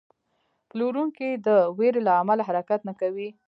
پلورونکی د ویرې له امله حرکت نه کوي.